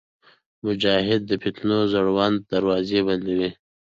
مجاهد د فتنو زوړند دروازې بندوي.